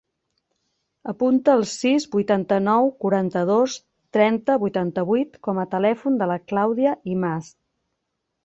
Apunta el sis, vuitanta-nou, quaranta-dos, trenta, vuitanta-vuit com a telèfon de la Clàudia Imaz.